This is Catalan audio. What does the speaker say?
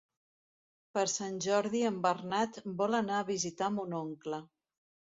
Per Sant Jordi en Bernat vol anar a visitar mon oncle.